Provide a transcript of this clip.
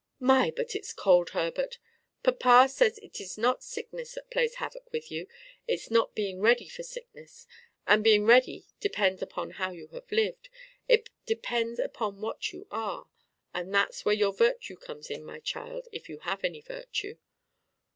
"My! but it's cold, Herbert! Papa says it is not sickness that plays havoc with you: it's not being ready for sickness; and being ready depends upon how you have lived: it depends upon what you are; and that's where your virtue comes in, my child, if you have any virtue.